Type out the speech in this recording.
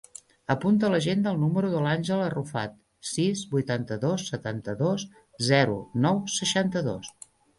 Apunta a l'agenda el número de l'Àngel Arrufat: sis, vuitanta-dos, setanta-dos, zero, nou, seixanta-dos.